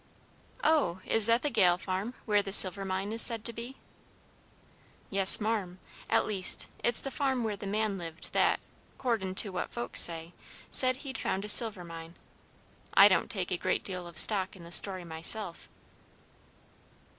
"Oh, is that the Gale farm, where the silver mine is said to be?" "Yes, marm; at least, it's the farm where the man lived that, 'cordin' to what folks say, said he'd found a silver mine. I don't take a great deal of stock in the story myself."